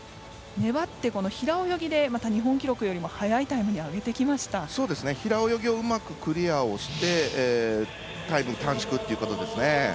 粘って、平泳ぎで日本記録より早いタイムに平泳ぎをうまくクリアをしてタイム短縮ということですね。